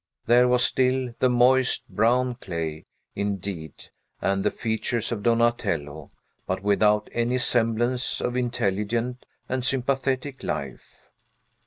There was still the moist, brown clay, indeed, and the features of Donatello, but without any semblance of intelligent and sympathetic life.